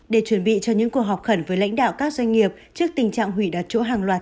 để chuẩn bị cho những cuộc họp khẩn với lãnh đạo các doanh nghiệp trước tình trạng hủy đặt chỗ hàng loạt